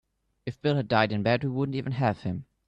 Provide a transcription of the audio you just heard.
If Bill had died in bed we wouldn't even have him.